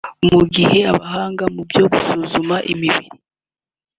mu gihe abahanga mu byo gusuzuma imibiri